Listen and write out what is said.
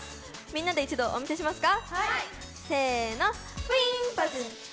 みんなで一度お見せしますか？